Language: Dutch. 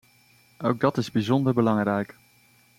Ook dat is bijzonder belangrijk.